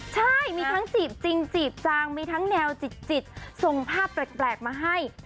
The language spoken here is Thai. ใช่มีทั้งจีบจริงจีบจางมีทั้งแนวจิตส่งภาพแปลกมาให้